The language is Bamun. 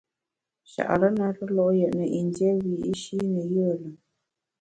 Nchare na ntue lo’ yètne yin dié wiyi’shi ne yùe lùm.